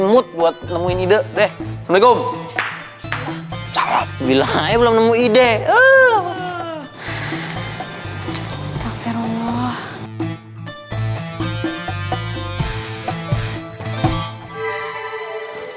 mood buat nemuin ide deh samaikum salam wilayah belum nemu ide uh astaghfirullah